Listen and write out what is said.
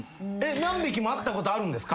何匹も会ったことあるんですか？